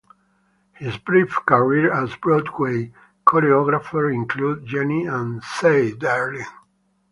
His brief career as a Broadway choreographer included "Jennie" and "Say, Darling".